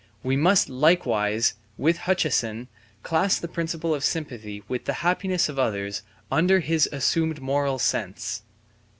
We must likewise, with Hutcheson, class the principle of sympathy with the happiness of others under his assumed moral sense.